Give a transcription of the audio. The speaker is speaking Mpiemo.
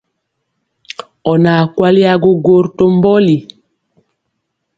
Ɔ naa kwali agwogwo to mbɔli.